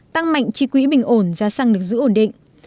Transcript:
tăng mạnh chi quỹ bình ổn giá xăng được giữ ổn định